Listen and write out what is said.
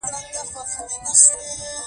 کلیساوې د ګډو دیني باورونو په اساس فعالیت کوي.